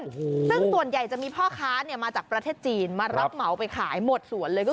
ซึ่งส่วนใหญ่จะมีพ่อค้าเนี่ยมาจากประเทศจีนมารับเหมาไปขายหมดสวนเลยก็คือ